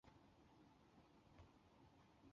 拜埃尔布伦是德国巴伐利亚州的一个市镇。